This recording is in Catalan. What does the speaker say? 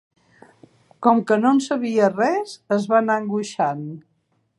Com que no en sabia res, es va anar angoixant.